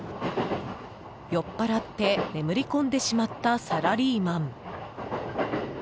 酔っ払って眠り込んでしまったサラリーマン。